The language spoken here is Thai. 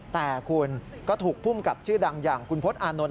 แต่คุณก็ถูกภูมิกับชื่อดังอย่างคุณพศอานนท